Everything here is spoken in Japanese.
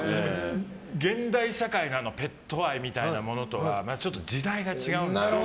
現代社会のペット愛みたいなものとかちょっと時代が違うので。